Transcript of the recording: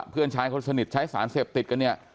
เพื่อนชายคนสนิทใช้สารเสพติดกันเนี่ย